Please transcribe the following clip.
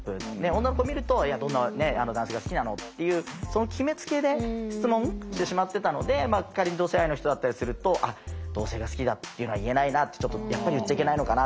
女の子見ると「どんな男性が好きなの？」っていうその決めつけで質問してしまってたので仮に同性愛の人だったりすると同性が好きだっていうのは言えないなってやっぱり言っちゃいけないのかな。